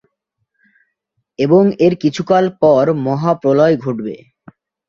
এবং এর কিছুকাল পর মহাপ্রলয় ঘটবে।